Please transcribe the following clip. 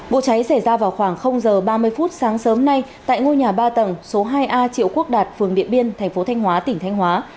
vụ cháy xảy ra vào khoảng h ba mươi phút sáng sớm nay tại ngôi nhà ba tầng số hai a triệu quốc đạt phường điện biên thành phố thanh hóa tỉnh thanh hóa